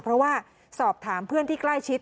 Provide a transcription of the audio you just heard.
เพราะว่าสอบถามเพื่อนที่ใกล้ชิด